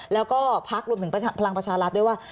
แล้วก็พักรวมถึงพลังประชารัฐด้วยว่า